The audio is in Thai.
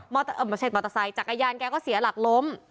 เมาเตอร์เอ่อไม่ใช่เมาเตอร์ไซค์จักรยานแกก็เสียหลักล้ม